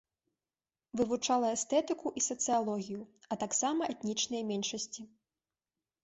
Вывучала эстэтыку і сацыялогію, а таксама этнічныя меншасці.